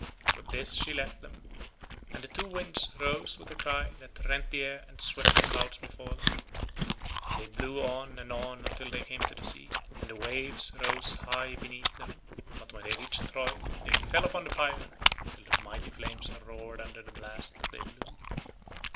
With this she left them, and the two winds rose with a cry that rent the air and swept the clouds before them. They blew on and on until they came to the sea, and the waves rose high beneath them, but when they reached Troy they fell upon the pyre till the mighty flames roared under the blast that they blew.